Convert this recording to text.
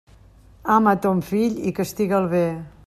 Ama ton fill i castiga'l bé.